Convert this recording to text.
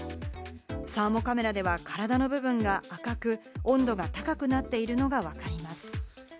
サーモカメラでは体の部分が赤く、温度が高くなっているのがわかります。